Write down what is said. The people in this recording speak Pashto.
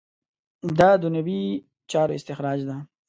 دا دنیوي چارو استخراج ده.